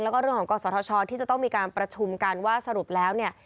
แล้วก็เรื่องของกศธชที่จะต้องมีการประชุมกันว่าสรุปแล้วเนี่ย